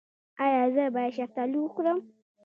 ایا زه باید شفتالو وخورم؟